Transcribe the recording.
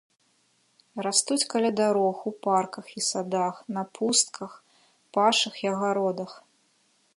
Растуць каля дарог, у парках і садах, на пустках, пашах і агародах.